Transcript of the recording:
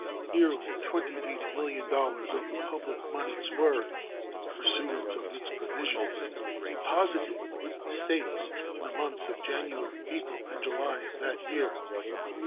Nearly $28,000,000 of the public moneys were, in pursuance of its provisions, deposited with the States in the months of January, April, and July of that year.